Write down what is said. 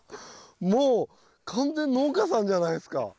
もう完全農家さんじゃないですか。